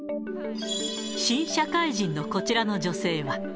新社会人のこちらの女性は。